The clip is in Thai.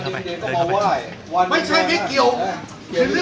ถ้าไปบอกผู้จิตว่าอะไรยังไง